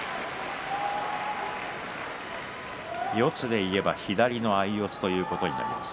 四つでいえば左の相四つということになります。